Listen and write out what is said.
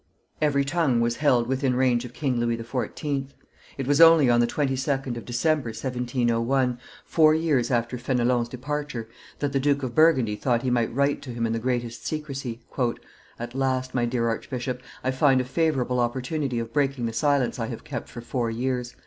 Every tongue was held within range of King Louis XIV. It was only on the 22d of December, 1701, four years after Fenelon's departure, that the Duke of Burgundy thought he might write to him in the greatest secrecy: "At last, my dear archbishop, I find a favorable opportunity of breaking the silence I have kept for four years.